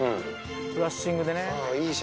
ブラッシングでね。